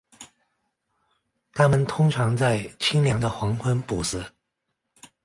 它们通常在清凉的黄昏捕食。